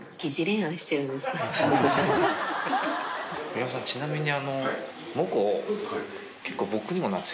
古山さんちなみに。